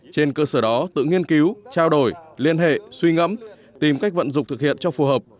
trên cơ sở đó tự nghiên cứu trao đổi liên hệ suy ngẫm tìm cách vận dụng thực hiện cho phù hợp